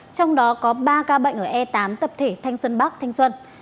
trong đó có ba ca bệnh ở e tám tập thể thanh xuân bắc thanh xuân